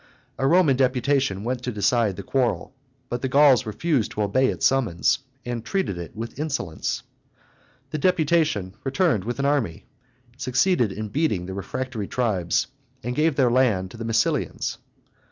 A Roman deputation went to decide the quarrel; but the Gauls refused to obey its summons, and treated it with insolence. The deputation returned with an army, succeeded in beating the refractory tribes, and gave their land to the Massilians.